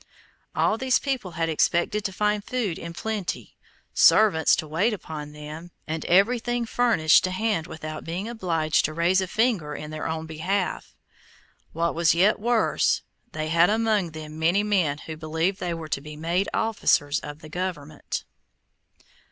All these people had expected to find food in plenty, servants to wait upon them, and everything furnished to hand without being obliged to raise a finger in their own behalf. What was yet worse, they had among them many men who believed they were to be made officers of the government.